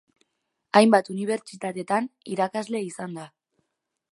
Hainbat unibertsitatetan irakasle izan da.